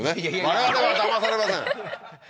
我々はだまされません